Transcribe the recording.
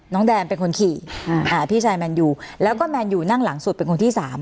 แดนเป็นคนขี่หาพี่ชายแมนยูแล้วก็แมนยูนั่งหลังสุดเป็นคนที่สาม